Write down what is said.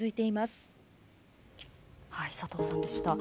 佐藤さんでした。